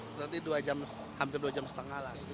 berarti dua jam hampir dua jam setengah lah